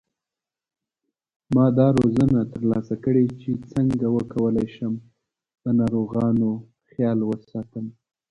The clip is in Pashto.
ما دا روزنه تر لاسه کړې چې څنګه وکولای شم د ناروغانو خیال وساتم